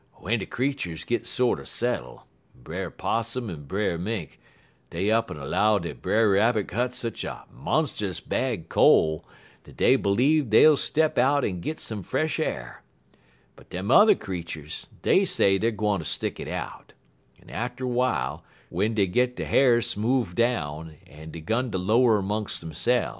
_ W'en de creeturs git sorter settle, Brer 'Possum en Brer Mink, dey up'n 'low dat Brer Rabbit got sech a monst'us bad cole, dey b'leeve dey'll step out and git some fresh a'r, but dem yuther creeturs, dey say dey gwine ter stick it out; en atter w'ile, w'en dey git der h'ar smoove down, dey 'gun ter jower 'mongs' deyse'f.